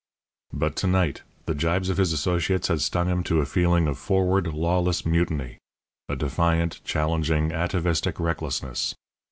But to night the gibes of his associates had stung him to a feeling of forward, lawless mutiny; a defiant, challenging, atavistic recklessness.